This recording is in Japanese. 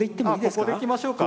ここでいきましょうか。